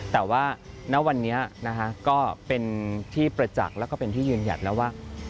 แต่ว่าณวันนี้ก็เป็นที่ประจักษ์แล้วก็เป็นที่ยืนหยัดแล้วว่า